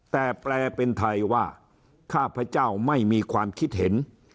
แต่แปลเป็นไทยว่าข้าพเจ้าไม่มีความคิดเห็น